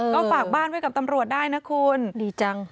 ก็ฝากบ้านไว้กับตำรวจได้นะคุณดีจัง